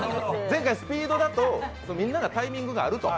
前回スピードだと、みんながタイミングがあると。